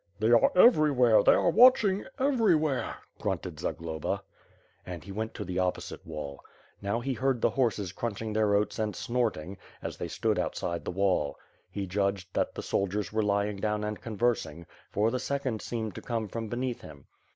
"They are everywhere; they are watching everywhere," grunted Zagloba. And he went to the opposite wall. Now, he heard the horses crunching their oats and snorting, as they stood out side the wall. He judged that the soldiers were lying down and conversing, for the second seemed to come from beneath him.